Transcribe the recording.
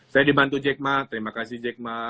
saya dibantu jekma terima kasih jekma